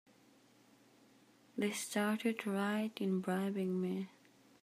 They started right in bribing me!